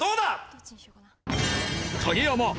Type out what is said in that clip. どっちにしようかな。